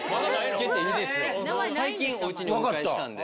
最近おうちにお迎えしたんで。